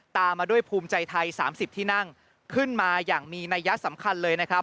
ตามมาด้วยภูมิใจไทย๓๐ที่นั่งขึ้นมาอย่างมีนัยยะสำคัญเลยนะครับ